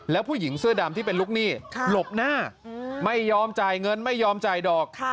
แล้วผู้หญิงเสื้อดำที่เป็นลูกหนี้หลบหน้าไม่ยอมจ่ายเงินไม่ยอมจ่ายดอก